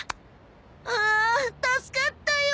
わん助かったよ。